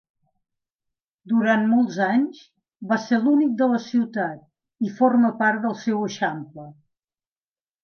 Durant molts anys va ser l'únic de la ciutat i forma part del seu eixample.